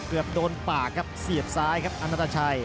เกือบโดนปากครับเสียบซ้ายครับอันนาตาชัย